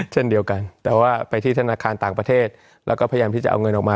เช่นเดียวกันแต่ว่าไปที่ธนาคารต่างประเทศแล้วก็พยายามที่จะเอาเงินออกมา